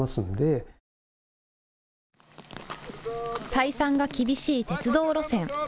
採算が厳しい鉄道路線。